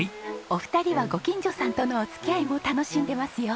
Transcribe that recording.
お二人はご近所さんとのお付き合いも楽しんでますよ。